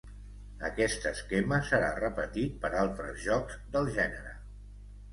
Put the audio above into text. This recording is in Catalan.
Aquest esquema serà repetit per altres jocs del gènere.